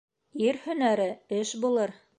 Ир һөнәре эш булыр.